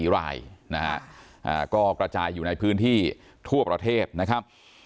๔รายนะฮะก็กระจายอยู่ในพื้นที่ทั่วประเทศนะครับ